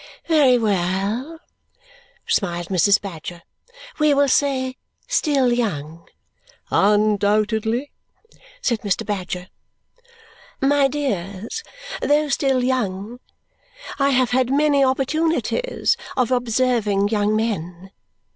"Very well," smiled Mrs. Badger, "we will say still young." "Undoubtedly," said Mr. Badger. "My dears, though still young, I have had many opportunities of observing young men.